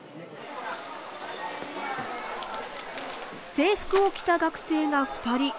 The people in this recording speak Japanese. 制服を着た学生が２人。